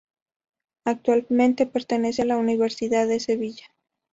Actualmente pertenece a la Universidad de Sevilla.